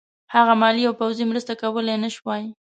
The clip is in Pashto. هغه مالي او پوځي مرسته کولای نه شوای.